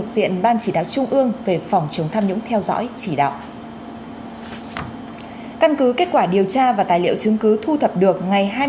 xin chào và hẹn gặp lại